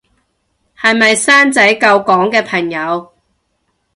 係咪生仔救港嘅朋友